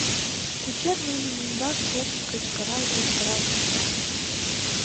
Кучер нунын ӱмбак шыдын кычкырал-кычкырал колта.